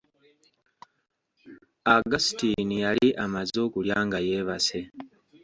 Augustine yali amaze okulya nga yeebase.